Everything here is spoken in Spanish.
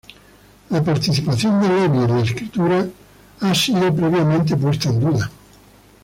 La participación de Levy en la escritura haya sido previamente puesto en duda.